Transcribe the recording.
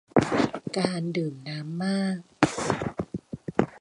การดื่มน้ำมาก